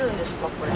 これ。